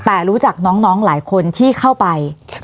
แต่รู้จักน้องหลายคนที่เข้าไป